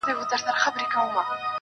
• مړه راگوري مړه اكثر.